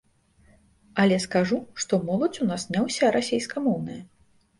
Але скажу, што моладзь у нас не ўся расейскамоўная.